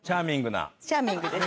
チャーミングです。